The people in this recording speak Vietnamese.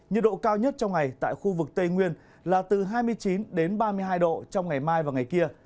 nhiệt độ cao nhất trong ngày tại khu vực tây nguyên là từ hai mươi chín đến ba mươi hai độ trong ngày mai và ngày kia